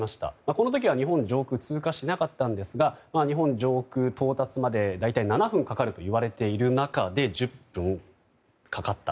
この時は日本上空を通過しなかったんですが日本上空到達まで大体７分かかるといわれている中１０分かかった。